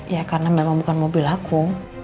ya karena memang bukan mobil aku